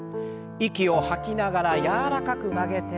息を吐きながら柔らかく曲げて。